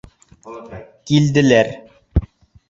Килделәр.